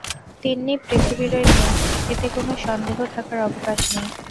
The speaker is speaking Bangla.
তিন্নি পৃথিবীরই মেয়ে, এতে কোনো সন্দেহ থাকার অবকাশ নেই।